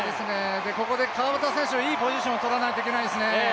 ここで川端選手はいいポジションを取らないといけないですね。